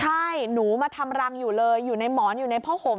ใช่หนูมาทำรังอยู่เลยอยู่ในหมอนอยู่ในผ้าห่ม